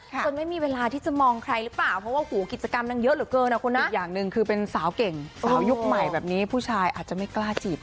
จนไม่มีเวลาที่จะมองใครอยู่ละพวก